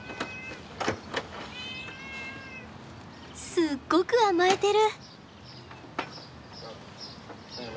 すっごく甘えてる。